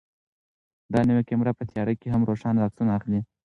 دا نوې کامره په تیاره کې هم روښانه عکسونه اخلي.